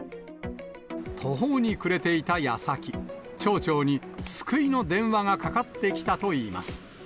途方に暮れていたやさき、町長に救いの電話がかかってきたといいます。